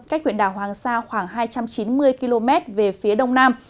cách huyện đảo hoàng sa khoảng hai trăm chín mươi km về phía đông nam